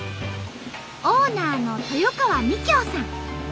オーナーの豊川美京さん。